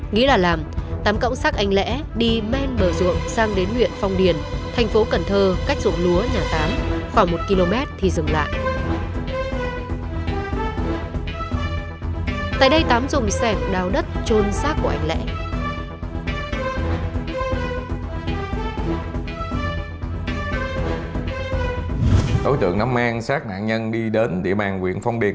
nghĩ là làm tám cộng xác anh lẽ đi men bờ ruộng sang đến nguyện phong điền